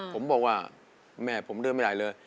ผมบอกว่าแม่ผมเดินไม่ได้เลย